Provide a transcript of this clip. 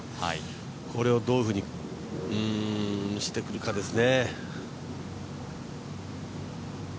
これをどういうふうにしてくるかですね。